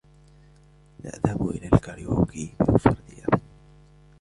لا اذهب إلى الكاريوكي بمفردي ابداً.